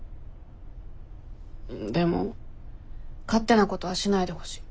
でも勝手なことはしないでほしい。